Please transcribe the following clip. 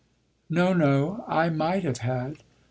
"No, no, I might have had.